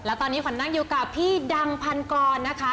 และตอนนี้ขวัญนั่งอยู่กับพี่ดังพันกรนะคะ